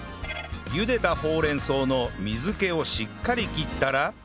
茹でたほうれん草の水気をしっかり切ったら